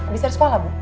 abis dari sekolah bu